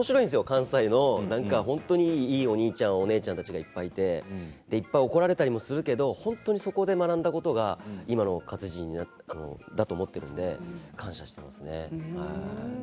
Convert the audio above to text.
関西のいいお兄ちゃんお姉ちゃんたちがいっぱいいて怒られたりもするけれど本当にそこで学んだことが今の勝地になってますね。